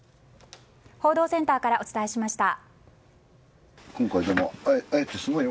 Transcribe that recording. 報道センターからお伝えしました。